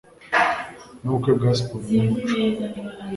nubukwe bwa siporo numuco